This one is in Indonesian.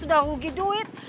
udah rugi duit